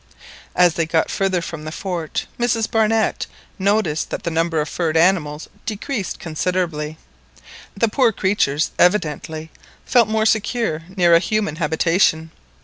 As they got farther from the fort Mrs Barnett noticed that the number of furred animals decreased considerably. The poor creatures evidently felt more secure near a human habitation.